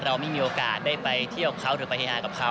เราไม่มีโอกาสได้ไปเที่ยวเขาหรือไปเฮฮากับเขา